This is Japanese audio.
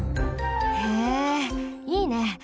へえいいね！